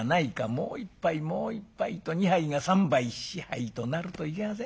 もう一杯もう一杯』と２杯が３杯４杯となるといけません。